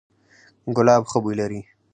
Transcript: ګلاب ښه بوی لري